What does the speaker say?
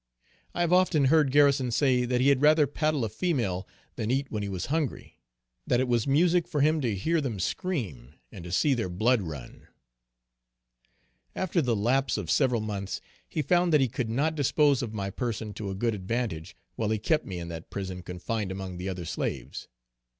I have often heard Garrison say, that he had rather paddle a female, than eat when he was hungry that it was music for him to hear them scream, and to see their blood run. After the lapse of several months, he found that he could not dispose of my person to a good advantage, while he kept me in that prison confined among the other slaves.